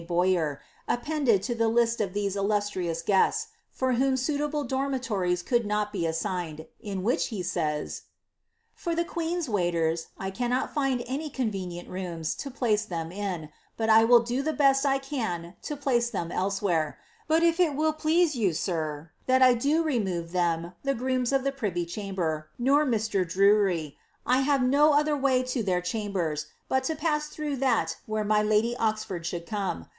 Bowyer, appended to ihe list of these illustrious guests, fc whom suitable dormitories could not be assigned, in tfhich he says :■' For the qupens wailers, I cannot linil Bny convenifm rooina lo pUce tbra in, but I will <to Ihe betx I i an lo plnce them elsewhere; bin if it will pim you, sir, Ihnl I do remove them, the groom* of Ihe privy chamber, ror Mr. Drm] have no other way lo Ibeir cbamberi but lo pau lhroii|!h thai wh^re my M Oxford ehoiiM come.